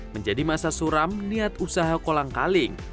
menjadi masa suram niat usaha kolang kaling